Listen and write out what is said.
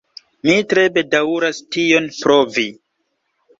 Mi tre bedaŭras tion, pro vi.